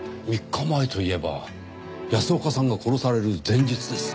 ３日前といえば安岡さんが殺される前日です。